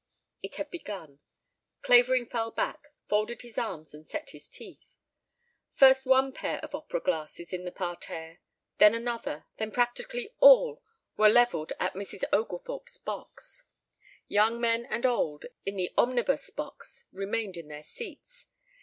It had begun! Clavering fell back, folded his arms and set his teeth. First one pair of opera glasses in the parterre, then another, then practically all were levelled at Mrs. Oglethorpe's box. Young men and old in the omnibus box remained in their seats.